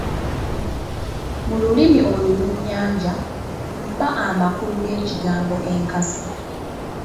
Mu lulimi olulunnyanja, mpa amakulu g’ekigambo "enkasi".